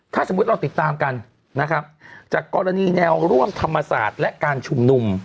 ถ้าสมมุติเราติดตามกันนะครับจากกรณีแนวร่วมธรรมศาสตร์และการชุมนุม